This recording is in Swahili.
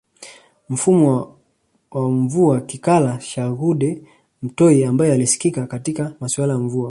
Mfumwa wa Mvua Kikala Shaghude Mtoi ambaye alisifika katika masuala ya mvua